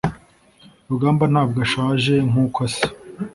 rugamba ntabwo ashaje nkuko asa